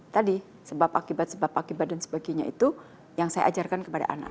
tadi sebab akibat sebab akibat dan sebagainya itu yang saya ajarkan kepada anak